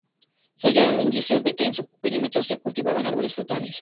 Se hallaron indicios de que en su perímetro se cultivaban árboles frutales.